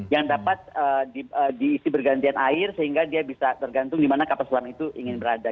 yang dapat diisi bergantian air sehingga dia bisa tergantung di mana kapal selam itu ingin berada